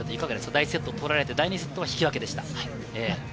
第１セットを取られて、第２セットは引き分けでした。